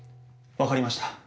分かりました。